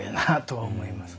はい。